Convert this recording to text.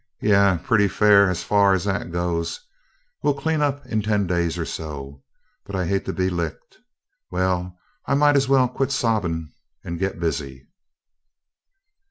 "Yeah, pretty fair as far as that goes we'll clean up in ten days or so but I hate to be licked. Well, I might as well quit sobbing and get busy!"